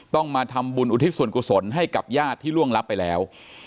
มาทำบุญอุทิศส่วนกุศลให้กับญาติที่ล่วงลับไปแล้ว